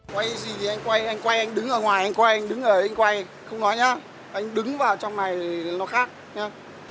quay gì thì anh quay anh quay anh đứng ở ngoài anh quay anh đứng ở anh quay không nói nhé anh đứng vào trong này nó khác nhé